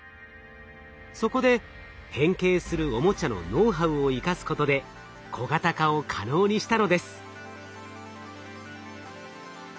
そこで変形するオモチャのノウハウを生かすことで小型化を可能にしたのです。